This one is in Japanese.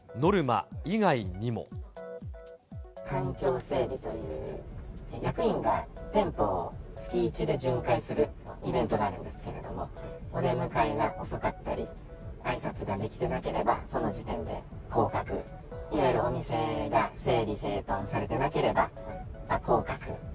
環境整備という、役員が店舗を月１で巡回するイベントがあるんですけれども、お出迎えが遅かったり、あいさつができてなければその時点で降格、いわゆるお店が整理整頓されてなければ降格。